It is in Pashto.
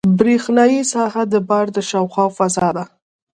برېښنایي ساحه د بار د شاوخوا فضا ده.